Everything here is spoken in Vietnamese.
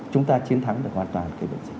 chúng ta chiến thắng được hoàn toàn